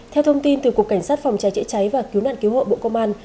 theo thông tin từ cục cảnh sát phòng cháy chữa cháy và cứu nạn cứu hộ bộ công an